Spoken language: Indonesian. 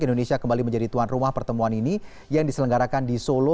indonesia kembali menjadi tuan rumah pertemuan ini yang diselenggarakan di solo